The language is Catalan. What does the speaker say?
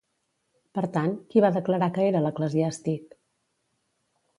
Per tant, qui va declarar que era l'eclesiàstic?